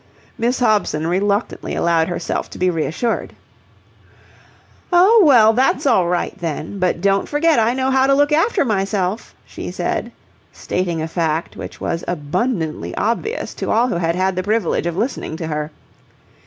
Miss Hobson reluctantly allowed herself to be reassured. "Oh, well, that's all right, then. But don't forget I know how to look after myself," she said, stating a fact which was abundantly obvious to all who had had the privilege of listening to her.